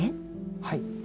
はい。